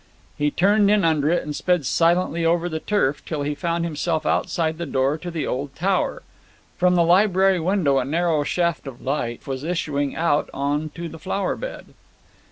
He turned in under it and sped silently over the turf, till he found himself outside the door to the old tower. From the library window a narrow shaft of light was issuing out on to the flower bed.